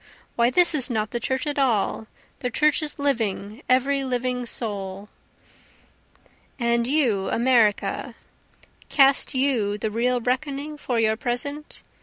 Why this is not the church at all the church is living, ever living souls.") And you America, Cast you the real reckoning for your present?